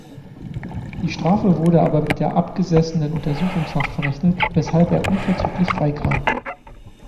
Die Strafe wurde aber mit der abgesessenen Untersuchungshaft verrechnet, weshalb er unverzüglich freikam.